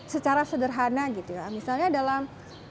secara sederhana gitu ya misalnya dalam